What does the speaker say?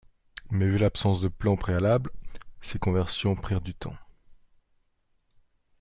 Mais vu l'absence de plans préalables, ces conversions prirent du temps.